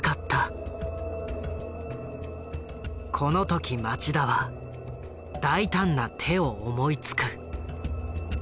この時町田は大胆な手を思いつく。